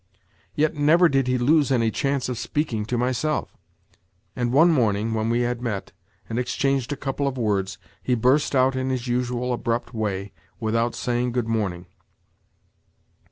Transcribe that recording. Yet never did he lose any chance of speaking to myself; and, one morning when we had met, and exchanged a couple of words, he burst out in his usual abrupt way, without saying "Good morning."